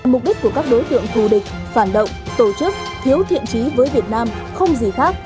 mục đích của các đối tượng thù địch phản động tổ chức thiếu thiện trí với việt nam không gì khác